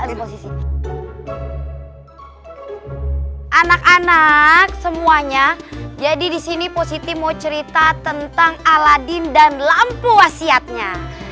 anak anak semuanya jadi disini positif mau cerita tentang aladin dan lampu wasiatnya